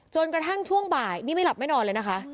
จนกระทั่งช่วงบ่ายนี่ไม่หลับไม่นอนเลยนะคะ